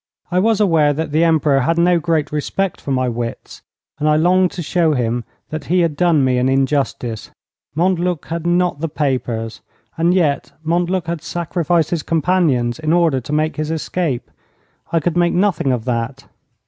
I was aware that the Emperor had no great respect for my wits, and I longed to show him that he had done me an injustice. Montluc had not the papers. And yet Montluc had sacrificed his companions in order to make his escape. I could make nothing of that.